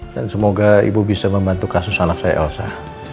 dan semoga ibu bisa membantu kasus anak saya elsa